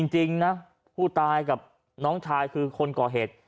จริงนะผู้ตายกับน้องชายคือคนก่อเหตุ